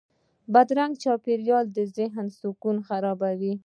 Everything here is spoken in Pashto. بدرنګه چاپېریال د ذهن سکون خرابوي